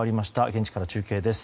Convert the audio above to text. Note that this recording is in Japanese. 現地から中継です。